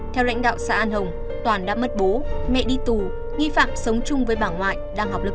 theo lãnh đạo xã an hồng toàn đã mất bố mẹ đi tù nghi phạm sống chung với bà ngoại đang học lớp chín